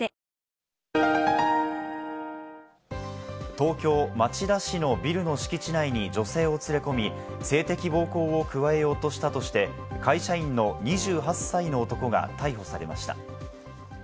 東京・町田市のビルの敷地内に女性を連れ込み、性的暴行を加えようとしたとして、会社員の２８歳の男が逮捕されました。